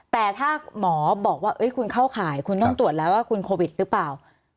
แต่ถ้าหมอบอกว่าคุณเข้าข่ายคุณต้องตรวจแล้วว่าคุณโควิดหรือเปล่า